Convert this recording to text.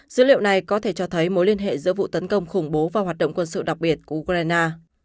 dữ liệu này có thể cho thấy mối liên hệ giữa vụ tấn công khủng bố và hoạt động quân sự đặc biệt của ukraine